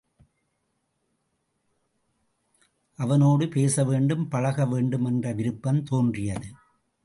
அவனோடு பேச வேண்டும் பழகவேண்டும் என்ற விருப்பம் தோன்றியது.